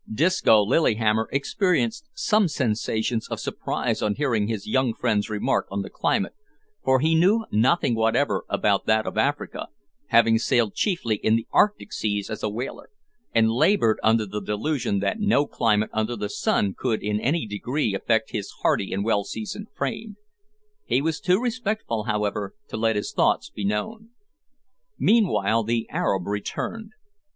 Disco Lillihammer experienced some sensations of surprise on hearing his young friend's remarks on the climate, for he knew nothing whatever about that of Africa, having sailed chiefly in the Arctic Seas as a whaler, and laboured under the delusion that no climate under the sun could in any degree affect his hardy and well seasoned frame. He was too respectful, however, to let his thoughts be known. Meanwhile the Arab returned.